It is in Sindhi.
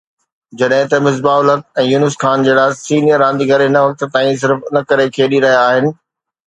جڏهن ته مصباح الحق ۽ يونس خان جهڙا سينيئر رانديگر هن وقت تائين صرف ان ڪري کيڏي رهيا آهن